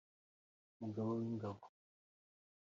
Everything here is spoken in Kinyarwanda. Umugaba w’ingabo!